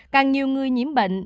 càng nhiều người nhiễm bệnh